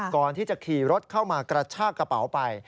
ก่อนที่จะขี่รถเข้ามากระชากระเป๋าไป